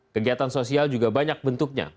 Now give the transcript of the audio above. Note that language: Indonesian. kegiatan sosial juga banyak bentuknya